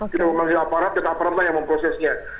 kita memanggil aparat dan aparat lah yang memprosesnya